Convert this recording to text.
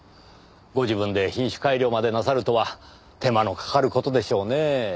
ご自分で品種改良までなさるとは手間のかかる事でしょうねぇ。